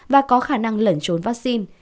và có khả năng lẩn trốn vaccine